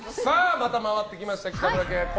また回ってきました北村家。